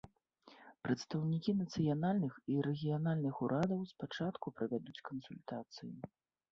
Прадстаўнікі нацыянальных і рэгіянальных урадаў спачатку правядуць кансультацыі.